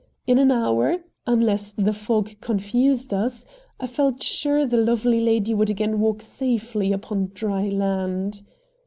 In an hour, unless the fog confused us, I felt sure the lovely lady would again walk safely upon dry land.